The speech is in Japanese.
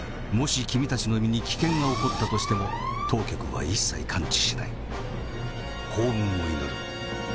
「もし君たちの身に危険が起こったとしても」「当局は一切関知しない」「幸運を祈る」